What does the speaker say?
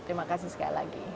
terima kasih sekali lagi